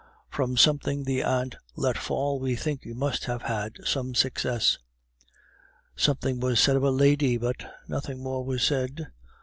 From something the aunt let fall, we think you must have had some success. "Something was said of a lady, but nothing more was said...